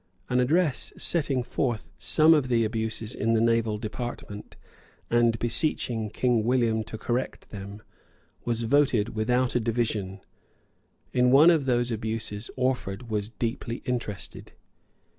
An address setting forth some of the abuses in the naval department, and beseeching King William to correct them, was voted without a division. In one of those abuses Orford was deeply interested.